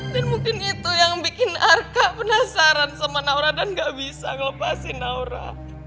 mungkin itu yang bikin arka penasaran sama naura dan gak bisa ngelepasin naura